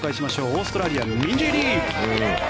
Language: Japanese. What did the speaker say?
オーストラリアのミンジー・リー。